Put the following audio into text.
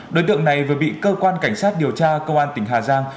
đối tượng này vừa bị cơ quan cảnh sát điều tra công an tỉnh hà giang